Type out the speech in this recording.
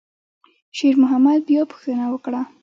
شېرمحمد بیا پوښتنه وکړه.